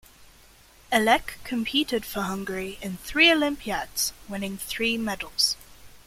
Elek competed for Hungary in three Olympiads, winning three medals.